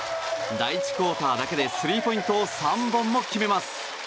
第１クオーターだけでスリーポイント３本も決めます。